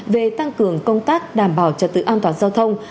về tăng cường công tác đảm bảo trật tự an toàn giao thông